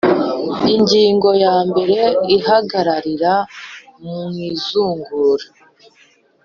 Ingingo ya mbere Ihagararira mu izungura